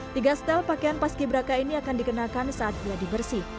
tiga setel pakaian paski beraka ini akan dikenakan saat dia dibersih